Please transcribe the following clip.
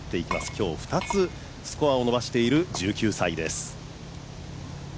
今日２つスコアを伸ばしている１９歳です。